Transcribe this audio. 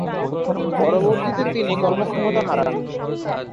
পরবর্তীতে, তিনি কর্মক্ষমতা হারান।